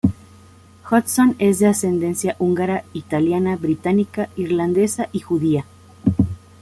Hudson es de ascendencia húngara, italiana, británica, irlandesa y judía.